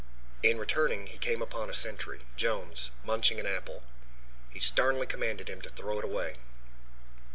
In returning he came upon a sentry, Jones, munching an apple. He sternly commanded him to throw it away.